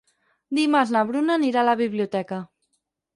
Dimarts na Bruna anirà a la biblioteca.